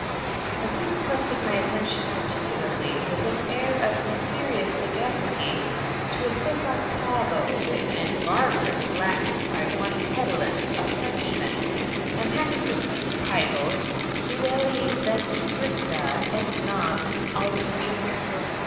But he requested my attention particularly, and with an air of mysterious sagacity, to a thick octavo, written in barbarous Latin by one Hedelin, a Frenchman, and having the quaint title, "Duelli Lex Scripta, et non; aliterque."